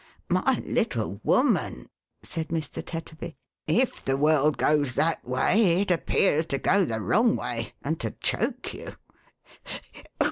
"My little woman," said Mr. Tetterby, "if the world goes that way, it appears to go the wrong way, and to choke you.